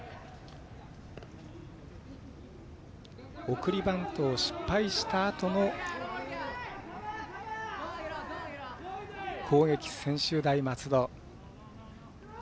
送りバントを失敗したあとの攻撃専修大松戸。